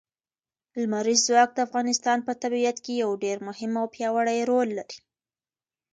لمریز ځواک د افغانستان په طبیعت کې یو ډېر مهم او پیاوړی رول لري.